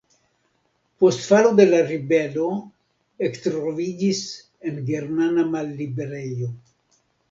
Post falo de la ribelo ektroviĝis en germana malliberejo.